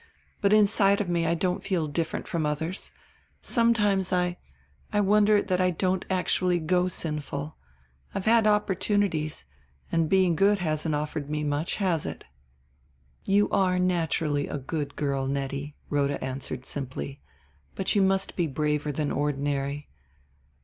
But inside of me I don't feel different from others. Sometimes I I wonder that I don't actually go sinful, I've had opportunities, and being good hasn't offered me much, has it?" "You are naturally a good girl, Nettie," Rhoda answered simply; "but you must be braver than ordinary.